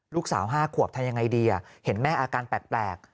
ลูกสาว๕ขวบทำยังไงดีเห็นแม่อาการแปลก